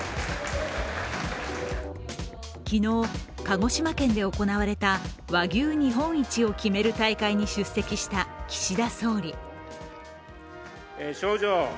昨日、鹿児島県で行われた和牛日本一を決める大会に出席した岸田総理。